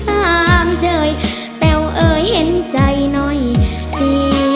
สามเฉยแป๋วเอ่ยเห็นใจหน่อยสิ